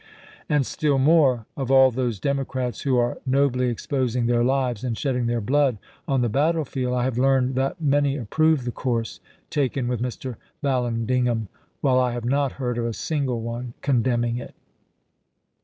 And still more, of all those Democrats who are nobly exposing their lives and shedding their blood on the battlefield, I have learned that many approve the course taken with Mr. Vallandigham, while I have not heard of a single one condemning it.